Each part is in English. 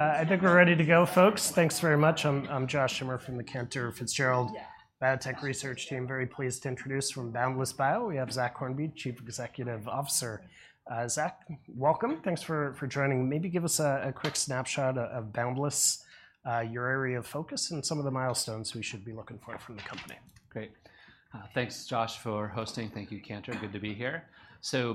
I think we're ready to go, folks. Thanks very much. I'm Josh Schimmer from the Cantor Fitzgerald Biotech Research Team. Very pleased to introduce from Boundless Bio, we have Zachary Hornby, Chief Executive Officer. Zach, welcome. Thanks for joining. Maybe give us a quick snapshot of Boundless, your area of focus, and some of the milestones we should be looking for from the company. Great. Thanks, Josh, for hosting. Thank you, Cantor. Good to be here.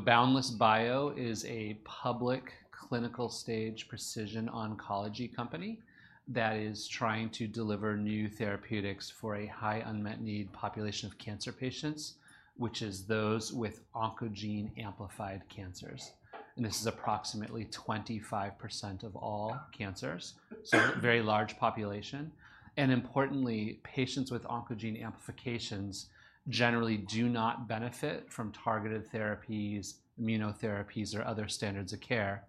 Boundless Bio is a public clinical-stage precision oncology company that is trying to deliver new therapeutics for a high unmet need population of cancer patients, which is those with oncogene amplified cancers, and this is approximately 25% of all cancers. It is a very large population, and importantly, patients with oncogene amplifications generally do not benefit from targeted therapies, immunotherapies, or other standards of care,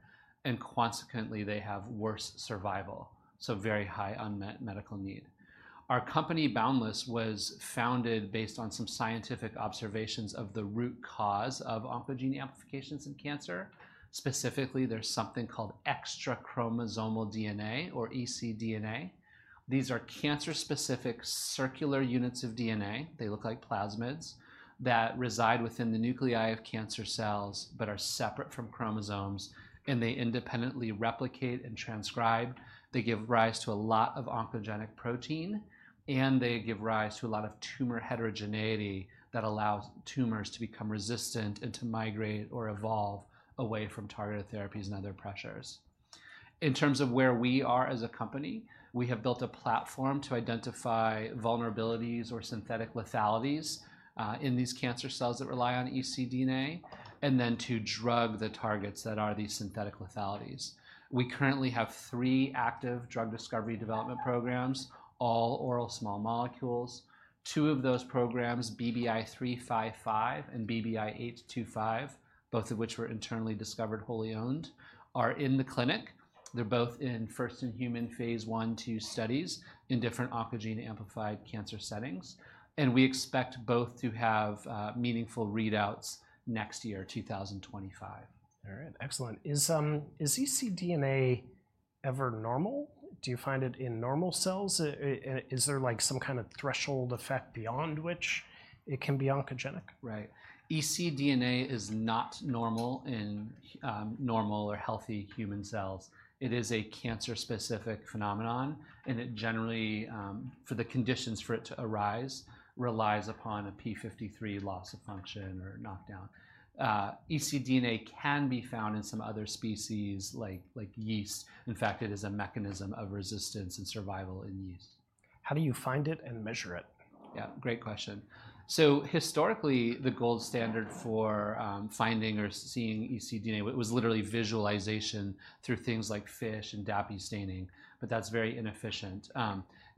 and consequently, they have worse survival, so very high unmet medical need. Our company, Boundless, was founded based on some scientific observations of the root cause of oncogene amplifications in cancer. Specifically, there's something called extrachromosomal DNA or ecDNA. These are cancer-specific circular units of DNA. They look like plasmids that reside within the nuclei of cancer cells but are separate from chromosomes, and they independently replicate and transcribe. They give rise to a lot of oncogenic protein, and they give rise to a lot of tumor heterogeneity that allows tumors to become resistant and to migrate or evolve away from targeted therapies and other pressures. In terms of where we are as a company, we have built a platform to identify vulnerabilities or synthetic lethalities in these cancer cells that rely on ecDNA, and then to drug the targets that are these synthetic lethalities. We currently have three active drug discovery development programs, all oral small molecules. Two of those programs, BBI-355 and BBI-825, both of which were internally discovered, wholly owned, are in the clinic. They're both in first-in-human phase I and II studies in different oncogene amplified cancer settings, and we expect both to have meaningful readouts next year, two thousand and twenty-five. All right, excellent. Is ecDNA ever normal? Do you find it in normal cells? Is there, like, some kind of threshold effect beyond which it can be oncogenic? Right. ecDNA is not normal in normal or healthy human cells. It is a cancer-specific phenomenon, and it generally for the conditions for it to arise, relies upon a p53 loss of function or knockdown. ecDNA can be found in some other species, like yeast. In fact, it is a mechanism of resistance and survival in yeast. How do you find it and measure it? Yeah, great question. So historically, the gold standard for finding or seeing ecDNA was literally visualization through things like FISH and DAPI staining, but that's very inefficient.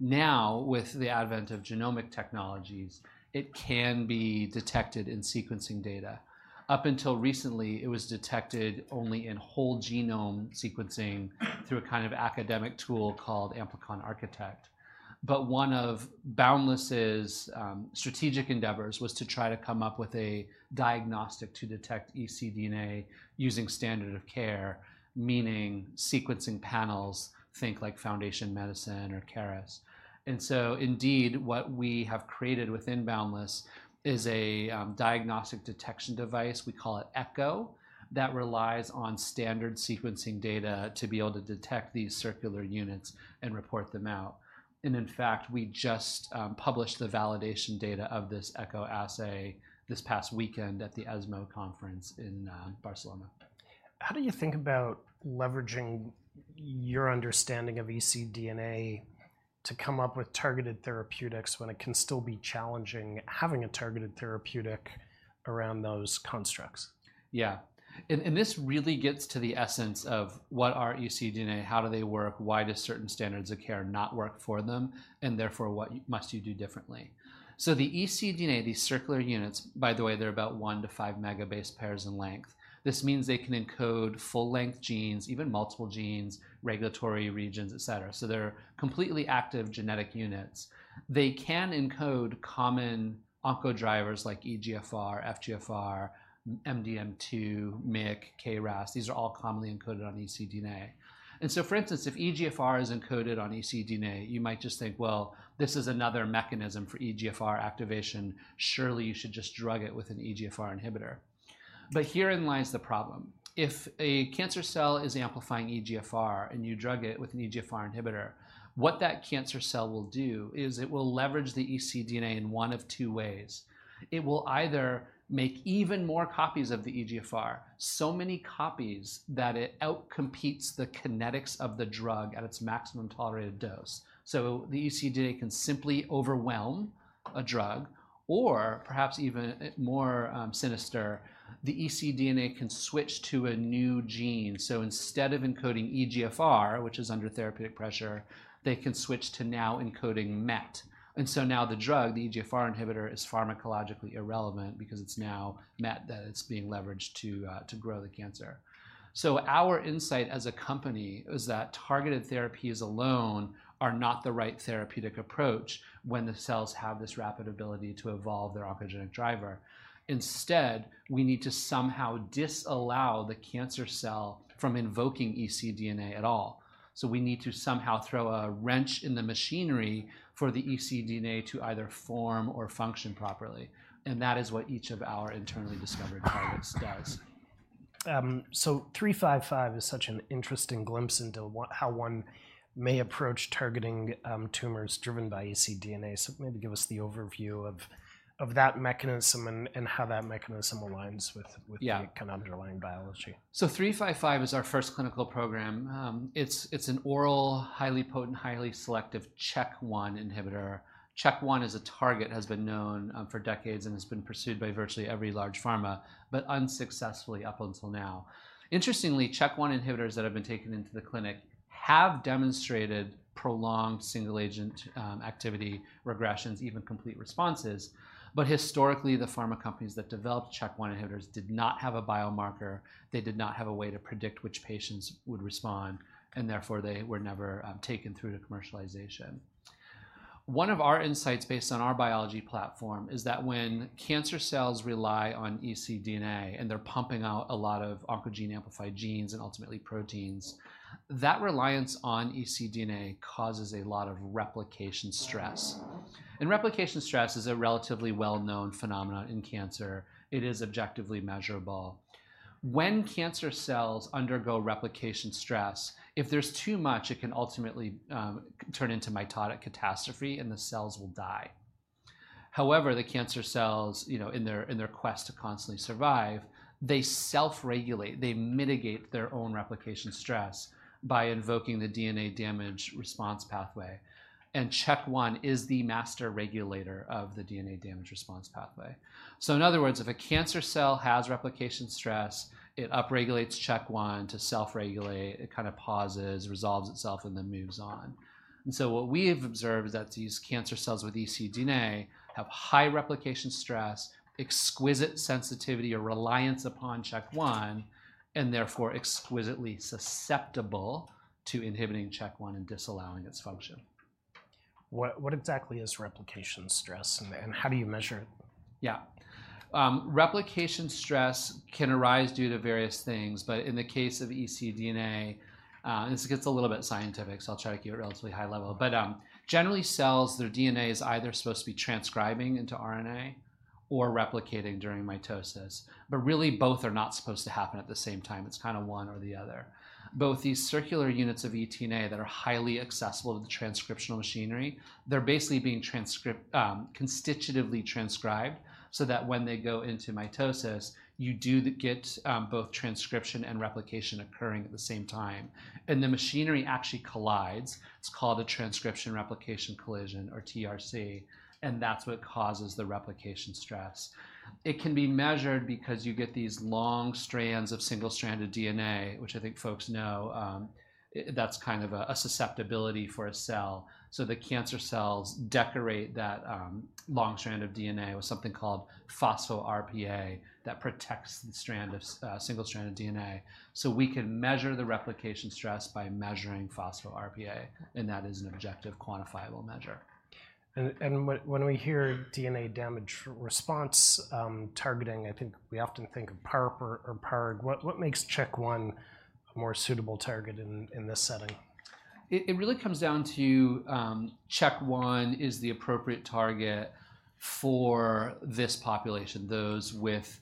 Now, with the advent of genomic technologies, it can be detected in sequencing data. Up until recently, it was detected only in whole genome sequencing through a kind of academic tool called AmpliconArchitect. But one of Boundless's strategic endeavors was to try to come up with a diagnostic to detect ecDNA using standard of care, meaning sequencing panels, think like Foundation Medicine or Caris. And so indeed, what we have created within Boundless is a diagnostic detection device, we call it ECHO, that relies on standard sequencing data to be able to detect these circular units and report them out. In fact, we just published the validation data of this ECHO assay this past weekend at the ESMO conference in Barcelona. How do you think about leveraging your understanding of ecDNA to come up with targeted therapeutics when it can still be challenging having a targeted therapeutic around those constructs? Yeah, and this really gets to the essence of what are ecDNA, how do they work, why does certain standards of care not work for them, and therefore, what you must do differently? So the ecDNA, these circular units, by the way, they're about one to five megabase pairs in length. This means they can encode full-length genes, even multiple genes, regulatory regions, et cetera. So they're completely active genetic units. They can encode common oncodrivers like EGFR, FGFR, MDM2, MYC, KRAS. These are all commonly encoded on ecDNA. And so, for instance, if EGFR is encoded on ecDNA, you might just think, well, this is another mechanism for EGFR activation. Surely, you should just drug it with an EGFR inhibitor. But herein lies the problem: If a cancer cell is amplifying EGFR, and you drug it with an EGFR inhibitor, what that cancer cell will do is it will leverage the ecDNA in one of two ways. It will either make even more copies of the EGFR, so many copies that it outcompetes the kinetics of the drug at its maximum tolerated dose, so the ecDNA can simply overwhelm a drug, or perhaps even more sinister, the ecDNA can switch to a new gene, so instead of encoding EGFR, which is under therapeutic pressure, they can switch to now encoding MET, and so now the drug, the EGFR inhibitor, is pharmacologically irrelevant because it's now MET that it's being leveraged to grow the cancer. Our insight as a company is that targeted therapies alone are not the right therapeutic approach when the cells have this rapid ability to evolve their oncogenic driver. Instead, we need to somehow disallow the cancer cell from invoking ecDNA at all... We need to somehow throw a wrench in the machinery for the ecDNA to either form or function properly, and that is what each of our internally discovered targets does. So 355 is such an interesting glimpse into how one may approach targeting tumors driven by ecDNA. So maybe give us the overview of that mechanism and how that mechanism aligns with- Yeah with the kind of underlying biology. 355 is our first clinical program. It's an oral, highly potent, highly selective CHEK1 inhibitor. CHEK1 as a target has been known for decades and has been pursued by virtually every large pharma, but unsuccessfully up until now. Interestingly, CHEK1 inhibitors that have been taken into the clinic have demonstrated prolonged single agent activity, regressions, even complete responses. Historically, the pharma companies that developed CHEK1 inhibitors did not have a biomarker. They did not have a way to predict which patients would respond, and therefore, they were never taken through to commercialization. One of our insights based on our biology platform is that when cancer cells rely on ecDNA, and they're pumping out a lot of oncogene-amplified genes and ultimately proteins, that reliance on ecDNA causes a lot of replication stress. Replication stress is a relatively well-known phenomenon in cancer. It is objectively measurable. When cancer cells undergo replication stress, if there's too much, it can ultimately turn into mitotic catastrophe, and the cells will die. However, the cancer cells, you know, in their quest to constantly survive, they self-regulate. They mitigate their own replication stress by invoking the DNA damage response pathway, and CHEK1 is the master regulator of the DNA damage response pathway. So in other words, if a cancer cell has replication stress, it upregulates CHEK1 to self-regulate. It kind of pauses, resolves itself, and then moves on. And so what we have observed is that these cancer cells with ecDNA have high replication stress, exquisite sensitivity or reliance upon CHEK1, and therefore exquisitely susceptible to inhibiting CHEK1 and disallowing its function. What exactly is replication stress, and how do you measure it? Yeah. Replication stress can arise due to various things, but in the case of ecDNA, this gets a little bit scientific, so I'll try to keep it relatively high level. But, generally, cells, their DNA is either supposed to be transcribing into RNA or replicating during mitosis, but really, both are not supposed to happen at the same time. It's kind of one or the other. Both these circular units of ecDNA that are highly accessible to the transcriptional machinery, they're basically being constitutively transcribed, so that when they go into mitosis, you do get both transcription and replication occurring at the same time, and the machinery actually collides. It's called a transcription replication collision, or TRC, and that's what causes the replication stress. It can be measured because you get these long strands of single-stranded DNA, which I think folks know, that's kind of a susceptibility for a cell. So the cancer cells decorate that long strand of DNA with something called phospho-RPA that protects the strand of single strand of DNA. So we can measure the replication stress by measuring phospho-RPA, and that is an objective, quantifiable measure. When we hear DNA damage response targeting, I think we often think of PARP or PARG. What makes CHEK1 a more suitable target in this setting? It really comes down to CHEK1 is the appropriate target for this population, those with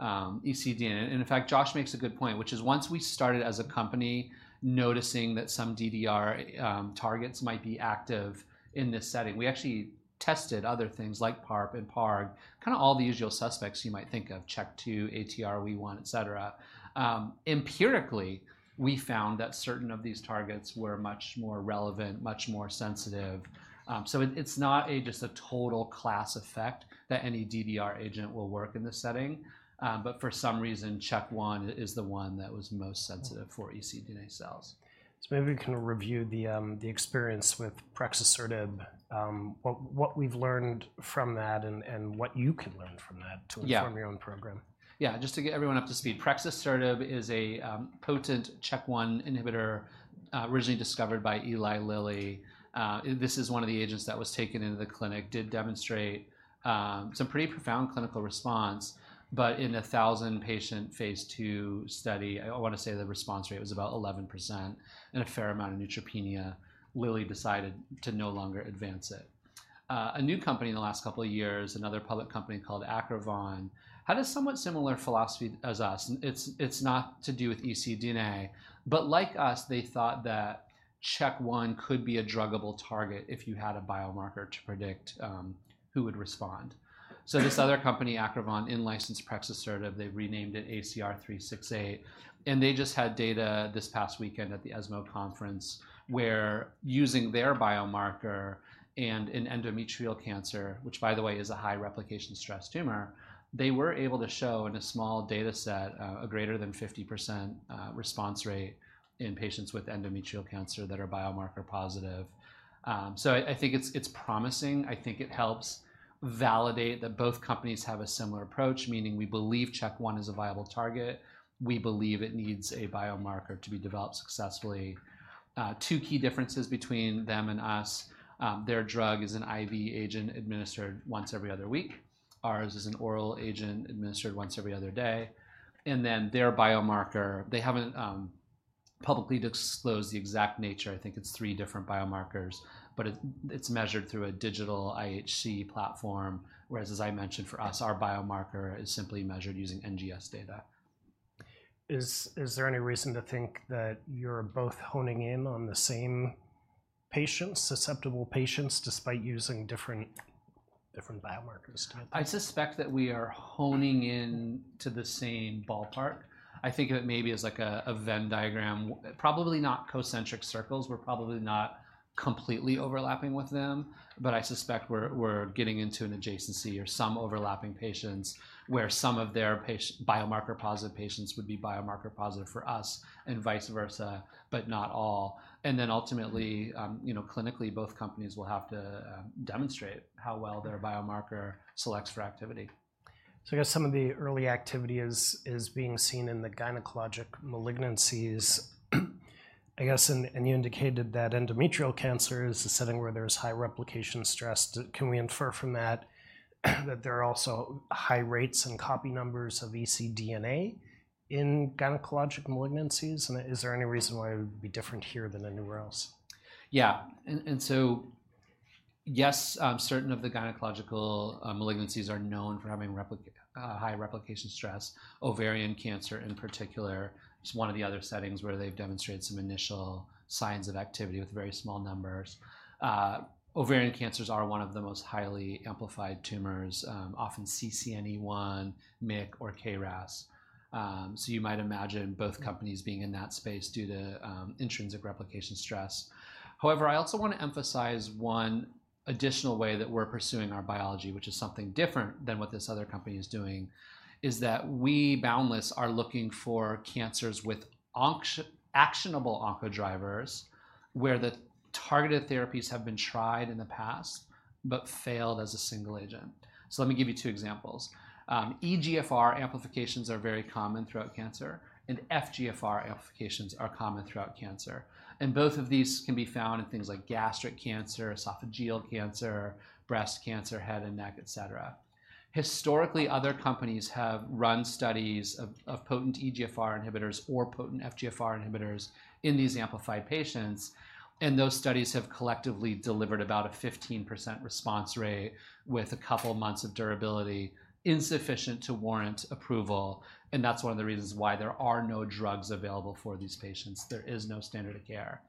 ecDNA. And in fact, Josh makes a good point, which is once we started as a company, noticing that some DDR targets might be active in this setting, we actually tested other things like PARP and PARG, kinda all the usual suspects you might think of, CHEK2, ATR, WEE1, et cetera. Empirically, we found that certain of these targets were much more relevant, much more sensitive. So it, it's not just a total class effect that any DDR agent will work in this setting, but for some reason, CHEK1 is the one that was most sensitive for ecDNA cells. So maybe we can review the experience with prexisertib, what we've learned from that, and what you can learn from that- Yeah -to inform your own program. Yeah, just to get everyone up to speed, prexisertib is a potent CHEK1 inhibitor, originally discovered by Eli Lilly. This is one of the agents that was taken into the clinic, did demonstrate some pretty profound clinical response, but in a 1,000-patient phase 2 study, I wanna say the response rate was about 11% and a fair amount of neutropenia. Lilly decided to no longer advance it. A new company in the last couple of years, another public company called Acrivon, had a somewhat similar philosophy as us, and it's not to do with ecDNA, but like us, they thought that CHEK1 could be a druggable target if you had a biomarker to predict who would respond. So this other company, Acrivon, in-licensed prexisertib, they've renamed it ACR368, and they just had data this past weekend at the ESMO conference, where using their biomarker and in endometrial cancer, which by the way, is a high replication stress tumor, they were able to show in a small data set, a greater than 50% response rate in patients with endometrial cancer that are biomarker positive. So I think it's promising. I think it helps validate that both companies have a similar approach, meaning we believe CHEK1 is a viable target. We believe it needs a biomarker to be developed successfully. Two key differences between them and us, their drug is an IV agent administered once every other week. Ours is an oral agent administered once every other day, and then their biomarker, they haven't publicly disclosed the exact nature. I think it's three different biomarkers, but it's measured through a digital IHC platform, whereas as I mentioned, for us, our biomarker is simply measured using NGS data. Is there any reason to think that you're both honing in on the same patients, susceptible patients, despite using different biomarkers entirely? I suspect that we are honing in to the same ballpark. I think of it maybe as like a Venn diagram, probably not concentric circles. We're probably not completely overlapping with them, but I suspect we're getting into an adjacency or some overlapping patients, where some of their patient-biomarker positive patients would be biomarker positive for us and vice versa, but not all. And then ultimately, you know, clinically, both companies will have to demonstrate how well their biomarker selects for activity. So I guess some of the early activity is being seen in the gynecologic malignancies. I guess, and you indicated that endometrial cancer is a setting where there's high replication stress. Can we infer from that, that there are also high rates and copy numbers of ecDNA in gynecologic malignancies? And is there any reason why it would be different here than anywhere else? Yeah. And so, yes, certain of the gynecological malignancies are known for having high replication stress. Ovarian cancer, in particular, is one of the other settings where they've demonstrated some initial signs of activity with very small numbers. Ovarian cancers are one of the most highly amplified tumors, often CCNE1, MYC or KRAS. So you might imagine both companies being in that space due to intrinsic replication stress. However, I also want to emphasize one additional way that we're pursuing our biology, which is something different than what this other company is doing, is that we, Boundless, are looking for cancers with actionable oncodrivers, where the targeted therapies have been tried in the past but failed as a single agent. So let me give you two examples. EGFR amplifications are very common throughout cancer, and FGFR amplifications are common throughout cancer, and both of these can be found in things like gastric cancer, esophageal cancer, breast cancer, head and neck, et cetera. Historically, other companies have run studies of potent EGFR inhibitors or potent FGFR inhibitors in these amplified patients, and those studies have collectively delivered about a 15% response rate with a couple of months of durability, insufficient to warrant approval, and that's one of the reasons why there are no drugs available for these patients. There is no standard of care.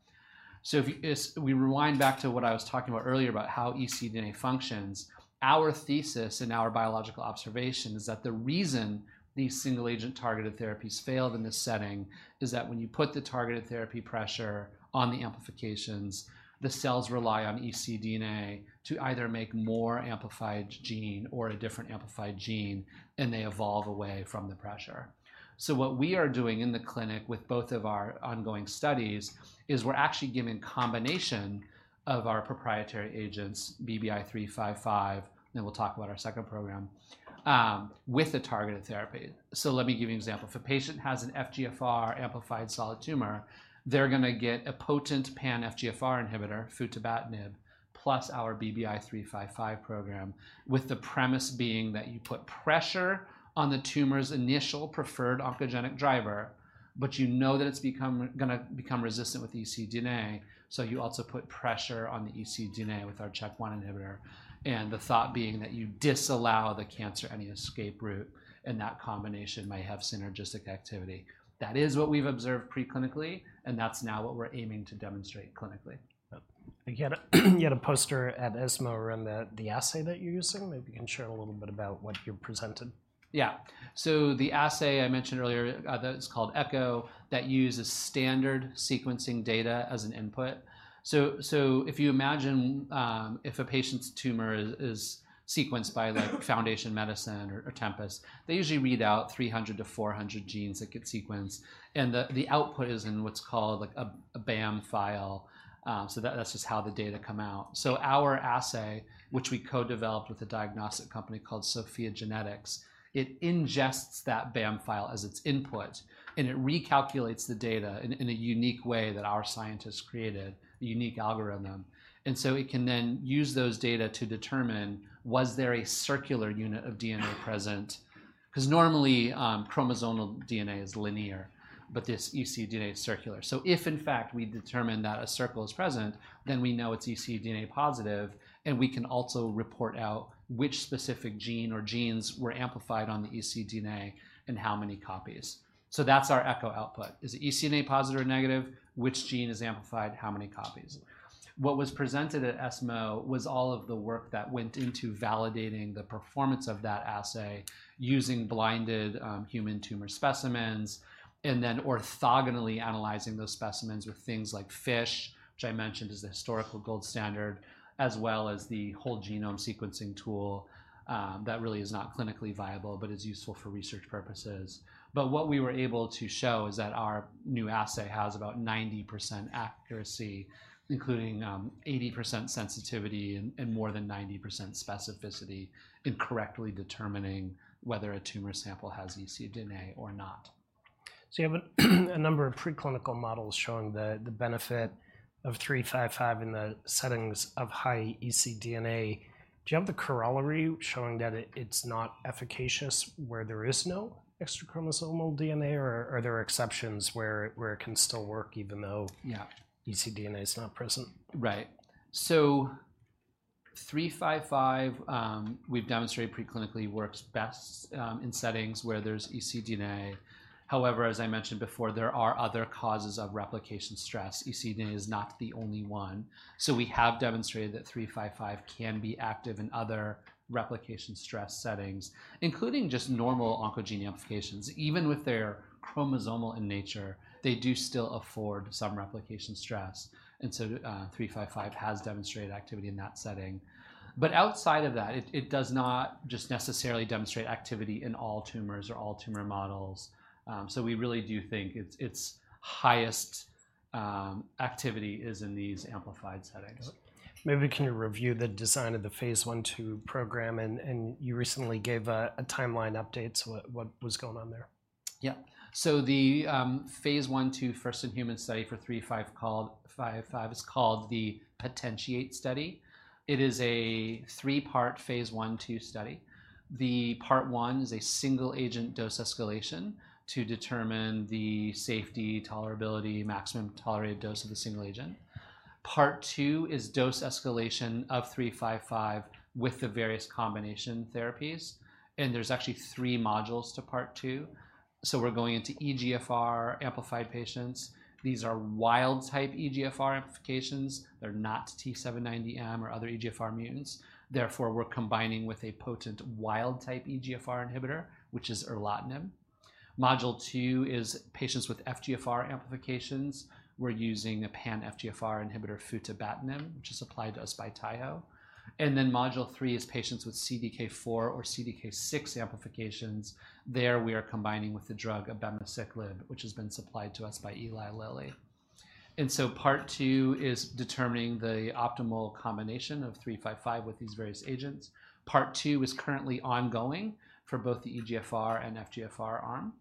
If we rewind back to what I was talking about earlier, about how ecDNA functions, our thesis and our biological observation is that the reason these single-agent targeted therapies failed in this setting is that when you put the targeted therapy pressure on the amplifications, the cells rely on ecDNA to either make more amplified gene or a different amplified gene, and they evolve away from the pressure. What we are doing in the clinic with both of our ongoing studies is we're actually giving combination of our proprietary agents, BBI-355, and we'll talk about our second program, with the targeted therapy. Let me give you an example. If a patient has an FGFR-amplified solid tumor, they're gonna get a potent pan FGFR inhibitor, futibatinib, plus our BBI-355 program, with the premise being that you put pressure on the tumor's initial preferred oncogenic driver, but you know that it's gonna become resistant with ecDNA, so you also put pressure on the ecDNA with our checkpoint inhibitor, and the thought being that you disallow the cancer any escape route, and that combination might have synergistic activity. That is what we've observed preclinically, and that's now what we're aiming to demonstrate clinically. Yeah. You had a poster at ESMO around the assay that you're using. Maybe you can share a little bit about what you presented. Yeah. So the assay I mentioned earlier, that is called ECHO, that uses standard sequencing data as an input. So if you imagine, if a patient's tumor is sequenced by, like, Foundation Medicine or Tempus, they usually read out 300 to 400 genes that get sequenced, and the output is in what's called, like, a BAM file. So that, that's just how the data come out. So our assay, which we co-developed with a diagnostic company called SOPHiA GENETICS, it ingests that BAM file as its input, and it recalculates the data in a unique way that our scientists created, a unique algorithm. And so it can then use those data to determine was there a circular unit of DNA present? 'Cause normally, chromosomal DNA is linear, but this ecDNA is circular. So if, in fact, we determine that a circle is present, then we know it's ecDNA positive, and we can also report out which specific gene or genes were amplified on the ecDNA and how many copies. So that's our ECHO output. Is it ecDNA positive or negative? Which gene is amplified? How many copies? What was presented at ESMO was all of the work that went into validating the performance of that assay using blinded, human tumor specimens, and then orthogonally analyzing those specimens with things like FISH, which I mentioned is the historical gold standard, as well as the whole genome sequencing tool. That really is not clinically viable, but is useful for research purposes. But what we were able to show is that our new assay has about 90% accuracy, including 80% sensitivity and more than 90% specificity in correctly determining whether a tumor sample has ecDNA or not.... So you have a number of preclinical models showing the benefit of 355 in the settings of high ecDNA. Do you have the corollary showing that it's not efficacious where there is no extrachromosomal DNA, or are there exceptions where it can still work even though- Yeah. ecDNA is not present? Right. So 355, we've demonstrated preclinically works best, in settings where there's ecDNA. However, as I mentioned before, there are other causes of replication stress. ecDNA is not the only one, so we have demonstrated that 355 can be active in other replication stress settings, including just normal oncogene amplifications. Even with their chromosomal in nature, they do still afford some replication stress, and so, 355 has demonstrated activity in that setting. But outside of that, it does not just necessarily demonstrate activity in all tumors or all tumor models. So we really do think its highest activity is in these amplified settings. Maybe can you review the design of the phase 1/2 program? And you recently gave a timeline update, so what was going on there? Yeah. So the phase 1/2 first-in-human study for 355 is called the POTENTIATE Study. It is a three-part phase 1/2 study. The Part 1 is a single-agent dose escalation to determine the safety, tolerability, maximum tolerated dose of the single agent. Part 2 is dose escalation of 355 with the various combination therapies, and there's actually three modules to Part 2, so we're going into EGFR-amplified patients. These are wild-type EGFR amplifications. They're not T790M or other EGFR mutants. Therefore, we're combining with a potent wild-type EGFR inhibitor, which is erlotinib. Module two is patients with FGFR amplifications. We're using a pan-FGFR inhibitor, futibatinib, which is supplied to us by Taiho, and then Module three is patients with CDK4 or CDK6 amplifications. There, we are combining with the drug abemaciclib, which has been supplied to us by Eli Lilly. And so Part 2 is determining the optimal combination of 355 with these various agents. Part 2 is currently ongoing for both the EGFR and FGFR arm,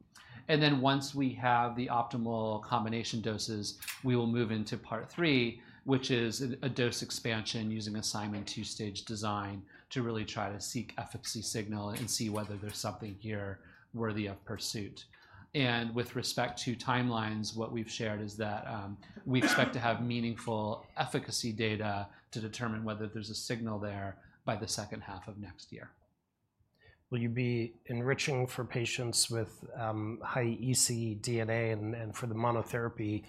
and then once we have the optimal combination doses, we will move into Part 3, which is a dose expansion using Simon two-stage design to really try to seek efficacy signal and see whether there's something here worthy of pursuit. And with respect to timelines, what we've shared is that we expect to have meaningful efficacy data to determine whether there's a signal there by the second half of next year. Will you be enriching for patients with high ecDNA? And for the monotherapy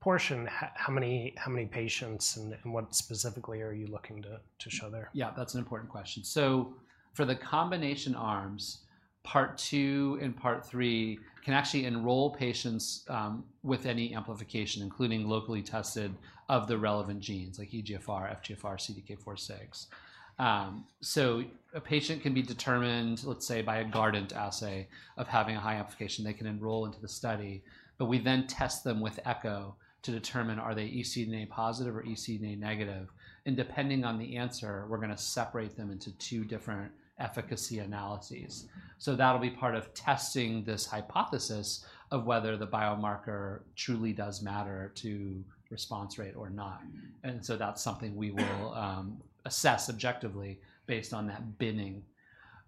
portion, how many patients, and what specifically are you looking to show there? Yeah, that's an important question, so for the combination arms, Part 2 and Part 3 can actually enroll patients with any amplification, including locally tested, of the relevant genes like EGFR, FGFR, CDK4/6, so a patient can be determined, let's say, by a Guardant assay of having a high amplification. They can enroll into the study, but we then test them with ECHO to determine are they ecDNA positive or ecDNA negative, and depending on the answer, we're gonna separate them into two different efficacy analyses, so that'll be part of testing this hypothesis of whether the biomarker truly does matter to response rate or not. Mm-hmm. That's something we will assess objectively based on that binning.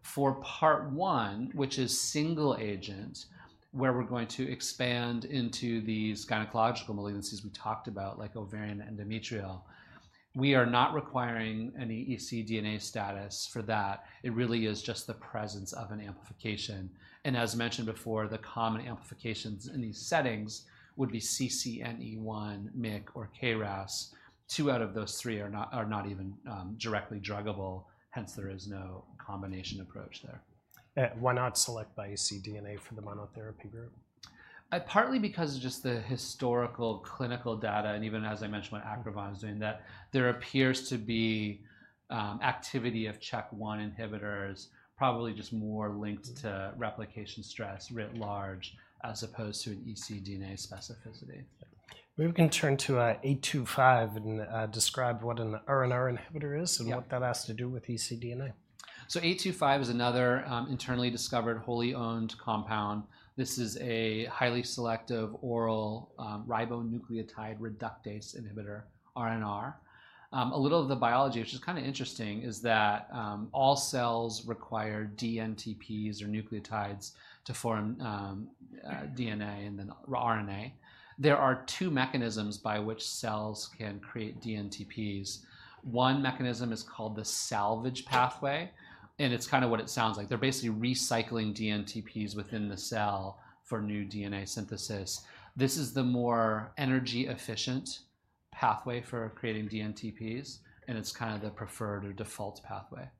For Part 1, which is single agent, where we're going to expand into these gynecological malignancies we talked about, like ovarian, endometrial, we are not requiring any ecDNA status for that. It really is just the presence of an amplification, and as mentioned before, the common amplifications in these settings would be CCNE1, MYC, or KRAS. Two out of those three are not even directly druggable, hence there is no combination approach there. Why not select by ecDNA for the monotherapy group? Partly because of just the historical clinical data, and even as I mentioned what Acrivon was doing, that there appears to be activity of CHEK1 inhibitors, probably just more linked to replication stress writ large, as opposed to an ecDNA specificity. Maybe we can turn to, 825, and, describe what an RNR inhibitor is. Yeah... and what that has to do with ecDNA. So BBI-825 is another internally discovered, wholly owned compound. This is a highly selective oral ribonucleotide reductase inhibitor, RNR. A little of the biology, which is kinda interesting, is that all cells require dNTPs or nucleotides to form DNA and then RNA. There are two mechanisms by which cells can create dNTPs. One mechanism is called the salvage pathway, and it's kinda what it sounds like. They're basically recycling dNTPs within the cell for new DNA synthesis. This is the more energy-efficient pathway for creating dNTPs, and it's kind of the preferred or default pathway.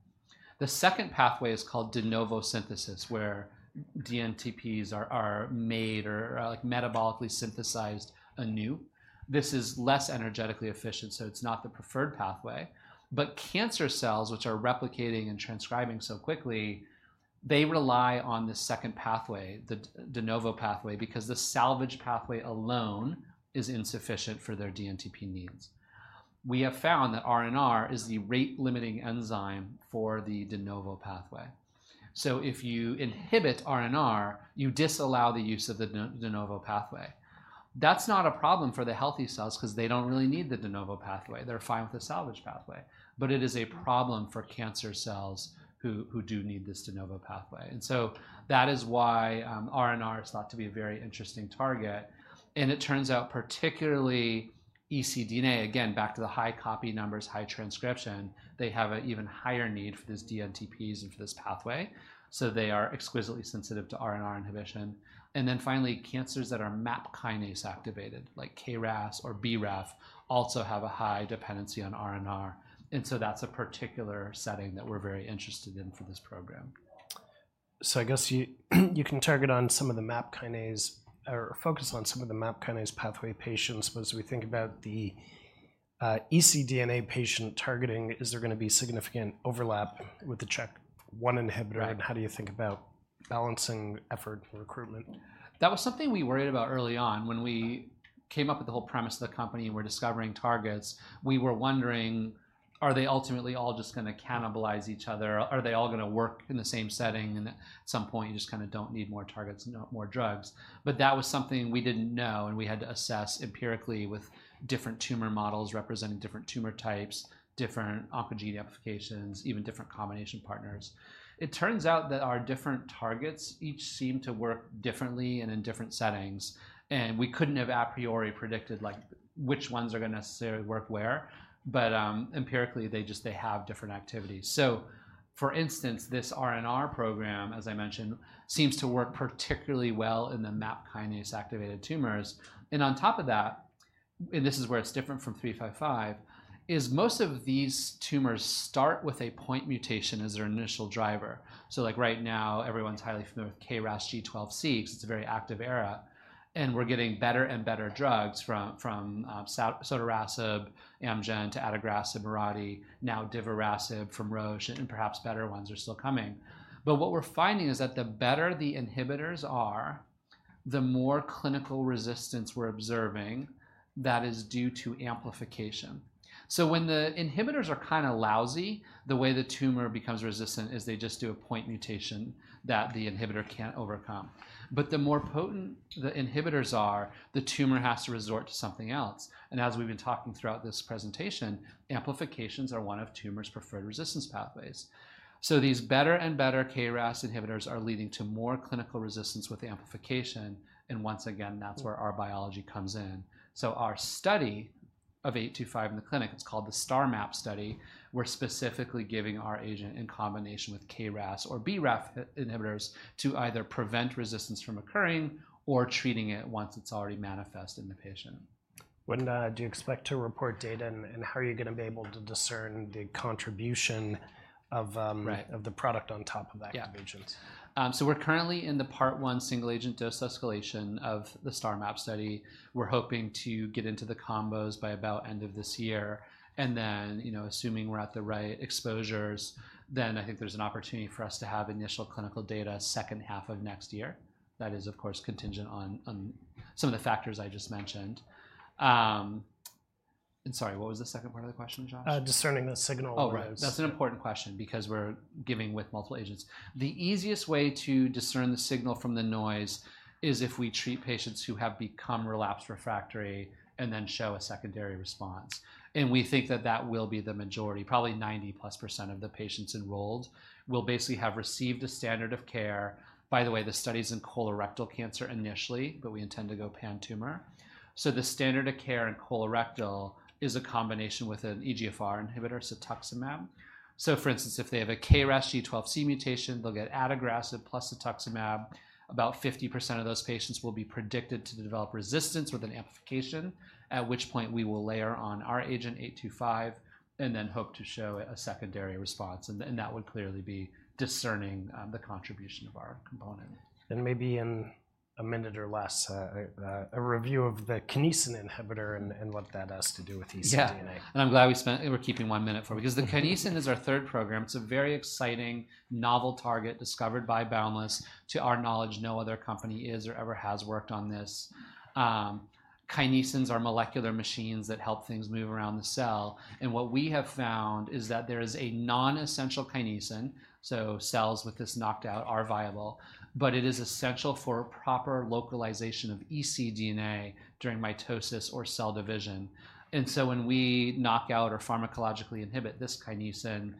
The second pathway is called de novo synthesis, where dNTPs are made or are, like, metabolically synthesized anew. This is less energetically efficient, so it's not the preferred pathway. But cancer cells, which are replicating and transcribing so quickly, they rely on this second pathway, the de novo pathway, because the salvage pathway alone is insufficient for their dNTP needs. We have found that RNR is the rate-limiting enzyme for the de novo pathway. So if you inhibit RNR, you disallow the use of the de novo pathway. That's not a problem for the healthy cells, 'cause they don't really need the de novo pathway. They're fine with the salvage pathway, but it is a problem for cancer cells who do need this de novo pathway, and so that is why RNR is thought to be a very interesting target, and it turns out, particularly ecDNA, again, back to the high copy numbers, high transcription, they have an even higher need for this dNTPs and for this pathway, so they are exquisitely sensitive to RNR inhibition. And then finally, cancers that are MAP kinase activated, like KRAS or BRAF, also have a high dependency on RNR, and so that's a particular setting that we're very interested in for this program. I guess you can target on some of the MAP kinase or focus on some of the MAP kinase pathway patients, but as we think about the ecDNA patient targeting, is there gonna be significant overlap with the CHEK1 inhibitor? Right. And how do you think about balancing effort and recruitment? That was something we worried about early on. When we came up with the whole premise of the company and were discovering targets, we were wondering, are they ultimately all just gonna cannibalize each other? Are they all gonna work in the same setting, and at some point, you just kinda don't need more targets, not more drugs? But that was something we didn't know, and we had to assess empirically with different tumor models representing different tumor types, different oncogene amplifications, even different combination partners. It turns out that our different targets each seem to work differently and in different settings, and we couldn't have a priori predicted, like, which ones are gonna necessarily work where. But, empirically, they just... They have different activities. For instance, this RNR program, as I mentioned, seems to work particularly well in the MAP kinase-activated tumors, and on top of that, and this is where it's different from 355, is most of these tumors start with a point mutation as their initial driver. So, like, right now, everyone's highly familiar with KRAS G12C 'cause it's a very active area, and we're getting better and better drugs from sotorasib, Amgen, to adagrasib, Mirati, now divarasib from Roche, and perhaps better ones are still coming. But what we're finding is that the better the inhibitors are, the more clinical resistance we're observing that is due to amplification. So when the inhibitors are kinda lousy, the way the tumor becomes resistant is they just do a point mutation that the inhibitor can't overcome. But the more potent the inhibitors are, the tumor has to resort to something else, and as we've been talking throughout this presentation, amplifications are one of tumor's preferred resistance pathways. So these better and better KRAS inhibitors are leading to more clinical resistance with amplification, and once again, that's where our biology comes in. So our study of BBI-825 in the clinic, it's called the STARMAP study, we're specifically giving our agent in combination with KRAS or BRAF inhibitors to either prevent resistance from occurring or treating it once it's already manifest in the patient. When, do you expect to report data, and how are you gonna be able to discern the contribution of, Right... of the product on top of that- Yeah -agent? So we're currently in the part one single-agent dose escalation of the STARMAP study. We're hoping to get into the combos by about end of this year, and then, you know, assuming we're at the right exposures, then I think there's an opportunity for us to have initial clinical data second half of next year. That is, of course, contingent on some of the factors I just mentioned. And sorry, what was the second part of the question, Josh? Discerning the signal from the noise. Oh, right. That's an important question because we're giving with multiple agents. The easiest way to discern the signal from the noise is if we treat patients who have become relapse refractory and then show a secondary response, and we think that that will be the majority. Probably 90-plus% of the patients enrolled will basically have received a standard of care... By the way, the study's in colorectal cancer initially, but we intend to go pan-tumor. So the standard of care in colorectal is a combination with an EGFR inhibitor, cetuximab. So for instance, if they have a KRAS G12C mutation, they'll get adagrasib plus cetuximab. About 50% of those patients will be predicted to develop resistance with an amplification, at which point we will layer on our agent, 825, and then hope to show a secondary response, and then that would clearly be discerning the contribution of our component. Maybe in a minute or less, a review of the kinesin inhibitor and what that has to do with ecDNA. Yeah, and I'm glad we spent... We're keeping one minute for it- Mm-hmm. Because the kinesin is our third program. It's a very exciting novel target discovered by Boundless. To our knowledge, no other company is or ever has worked on this. Kinesins are molecular machines that help things move around the cell, and what we have found is that there is a non-essential kinesin, so cells with this knocked out are viable, but it is essential for proper localization of ecDNA during mitosis or cell division. And so when we knock out or pharmacologically inhibit this kinesin,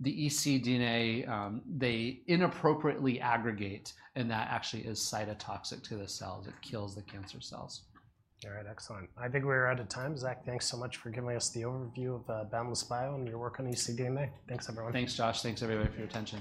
the ecDNA, they inappropriately aggregate, and that actually is cytotoxic to the cells. It kills the cancer cells. All right. Excellent. I think we're out of time. Zach, thanks so much for giving us the overview of Boundless Bio and your work on ecDNA. Thanks, everyone. Thanks, Josh. Thanks, everybody, for your attention.